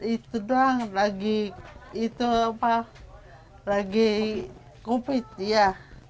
itu doang lagi itu apa lagi covid ya